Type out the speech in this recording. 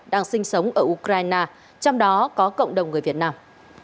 đang sinh sống ở ukraine trong đó có cộng đồng người việt nam